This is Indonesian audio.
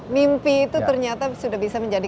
mimpi itu ternyata sudah bisa menjadi